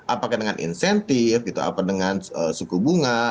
apakah dengan insentif apa dengan suku bunga